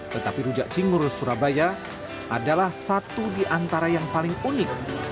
tetapi rujak cingur surabaya adalah satu di antara yang paling unik